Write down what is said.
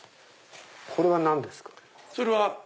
これは何ですか？